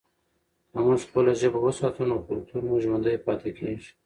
که موږ خپله ژبه وساتو نو کلتور مو ژوندی پاتې کېږي.